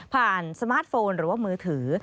สมาร์ทโฟนหรือว่ามือถือ